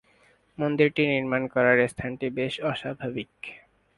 মন্দিরটির নির্মাণ করার স্থানটি বেশ অস্বাভাবিক।